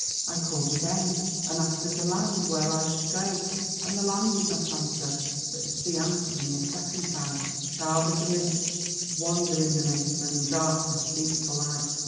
"I called again, and asked of the land where I should go, and the land did not answer, but the sea answered me a second time: "'Child of the mist, wander in the mist, and in darkness seek for light.